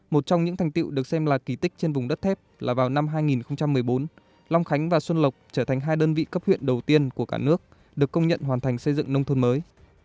một trong những thành tựu được xem là kỳ tích trên vùng đất thép là vào năm hai nghìn một mươi bốn long khánh và xuân lộc trở thành hai đơn vị cấp huyện đầu tiên của cả nước được công nhận hoàn thành xây dựng nông thôn mới